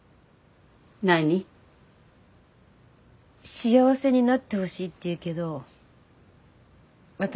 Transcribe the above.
幸せになってほしいって言うけど私